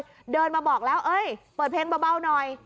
ก็เดินมาบอกแล้วเอ้ยเปิดเพลงเบาหน่อย